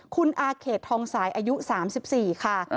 คุณอาเขตทองสายอายุ๓๔ค่ะ